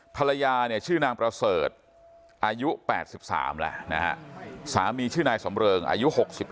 ภรรยาเนี่ยชื่อนางประเสริฐอายุ๘๓แล้วนะฮะสามีชื่อนายสำเริงอายุ๖๑